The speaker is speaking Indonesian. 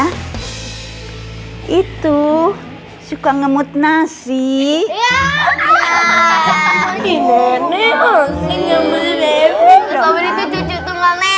hai itu suka ngemut nasi ya hahaha